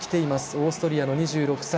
オーストリアの２６歳。